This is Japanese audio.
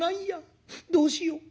どうしよう？